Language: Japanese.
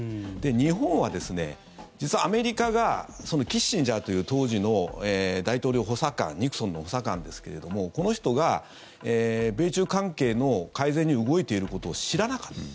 日本は、実はアメリカがキッシンジャーという当時の大統領補佐官ニクソンの補佐官ですけれどもこの人が米中関係の改善に動いていることを知らなかった。